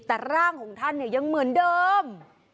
แต่ร่างของท่านเนี่ยยังเหมือนเดิม